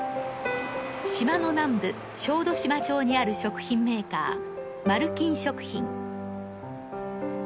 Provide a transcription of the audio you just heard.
島の南部小豆島町にある食品メーカー丸金食品。